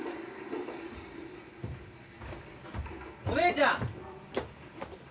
お姉ちゃん！